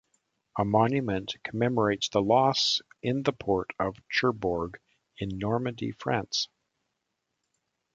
A monument commemorates the loss in the port of Cherbourg in Normandy, France.